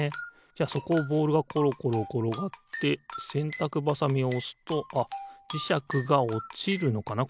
じゃあそこをボールがころころころがってせんたくばさみをおすとあっじしゃくがおちるのかな？